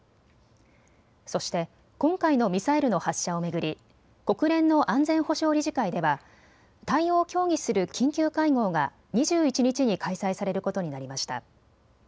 そして今回のミサイルの発射を巡り国連の安全保障理事会では対応を協議する緊急会合が２１日に開催されることになりました。